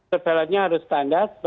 surveillance nya harus standar